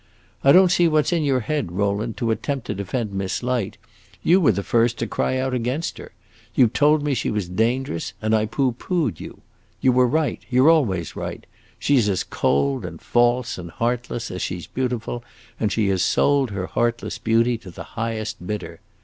I don't see what 's in your head, Rowland, to attempt to defend Miss Light; you were the first to cry out against her! You told me she was dangerous, and I pooh poohed you. You were right; you 're always right. She 's as cold and false and heartless as she 's beautiful, and she has sold her heartless beauty to the highest bidder.